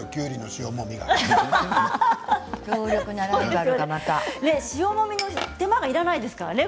塩もみの手間がいらないですからね。